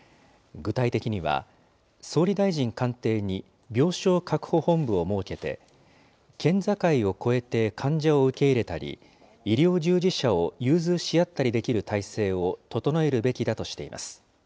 具体的には、総理大臣官邸に病床確保本部を設けて、県境を越えて患者を受け入れたり、医療従事者を融通し合ったりできる体制を整えるべきだとしています。